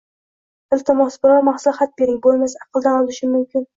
Iltimos, biror maslahat bering, bo‘lmasa aqldan ozishim mumkin.